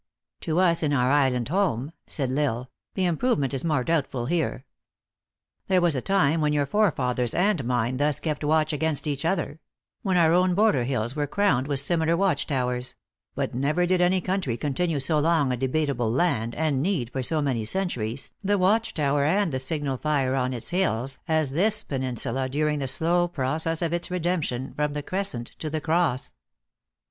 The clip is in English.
u To us in our island home," said L Isle. " The im provement is more doubtful here. There was a time when your forefathers and mine thus kept watch against each other ; when our own border hills were crowned with similar watch towers ; but never did any country continue so long a debatable land, and need, for so many centuries, the watch tower and the signal fire on its hills, as this peninsula during the slow process of its redemption from the crescent to the cross."